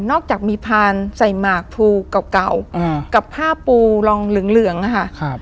อกจากมีพานใส่หมากภูเก่ากับผ้าปูรองเหลืองอะค่ะ